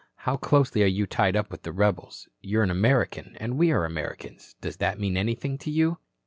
How closely are you tied up with the rebels? You're an American and we are Americans. Does that mean anything to you?"